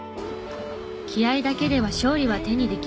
気合だけでは勝利は手にできない。